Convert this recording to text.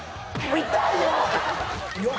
痛いよ！